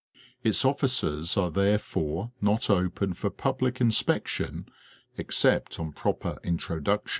Its offices are therefore not open for public inspection except on proper introduction.